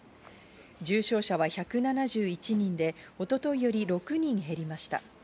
重症者は１７１人で一昨日より６人減りました。